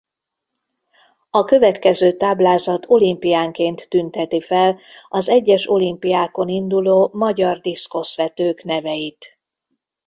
A következő táblázat olimpiánként tünteti fel az egyes olimpiákon induló magyar diszkoszvetők neveit.